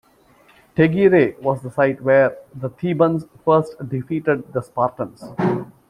Tegyrae was the site where the Thebans first defeated the Spartans.